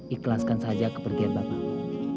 ikhlaskan saja kepergian bapakmu